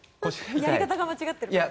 やり方が間違ってます？